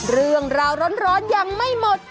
เรื่องราวร้อนยังไม่หมด